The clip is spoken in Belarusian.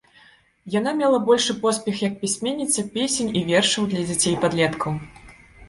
Яна мела большы поспех як пісьменніца песень і вершаў для дзяцей і падлеткаў.